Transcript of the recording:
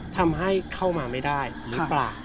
ทำให้เข้ามาไม่ได้หรือเปล่า